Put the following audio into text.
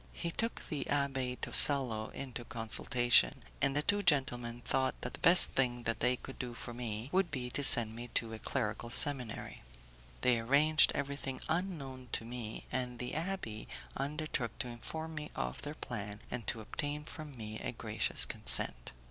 He took the Abbé Tosello into consultation, and the two gentlemen thought that the best thing they could do for me would be to send me to a clerical seminary. They arranged everything unknown to me, and the abbé undertook to inform me of their plan and to obtain from me a gracious consent.